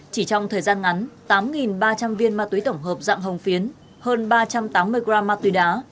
chỉ trong thời gian ngắn tám ba trăm linh viên ma túy tổng hợp dạng hồng phiến hơn ba trăm tám mươi gram ma túy đá